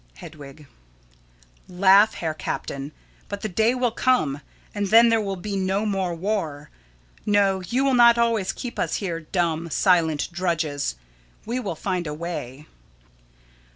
Hedwig: Laugh, Herr Captain, but the day will come; and then there will be no more war. No, you will not always keep us here, dumb, silent drudges. We will find a way.